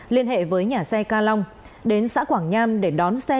liên hệ với nhà xe ca long đến xã quảng nham để đón xe đi móng